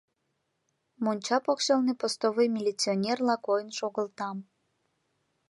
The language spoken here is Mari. Монча покшелне постовой милиционерла койын шогылтам.